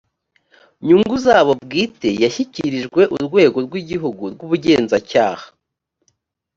nyungu zabo bwite yashyikirijwe urwego rw igihugu rw ubugenzacyaha